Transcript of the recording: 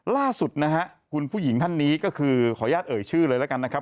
ล่าสุดนะฮะคุณผู้หญิงท่านนี้ก็คือขออนุญาตเอ่ยชื่อเลยแล้วกันนะครับ